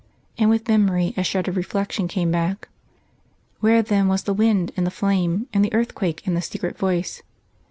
And with memory a shred of reflection came back. Where then was the wind, and the flame, and the earthquake, and the secret voice?